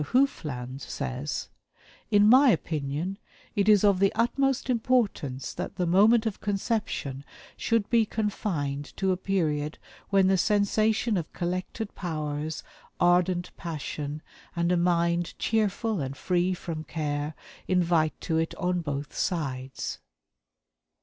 Hufeland says: "In my opinion, it is of the utmost importance that the moment of conception should be confined to a period when the sensation of collected powers, ardent passion, and a mind cheerful and free from care, invite to it on both sides."